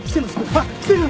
あっ来てる！